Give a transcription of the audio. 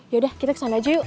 yaudah kita kesana aja yuk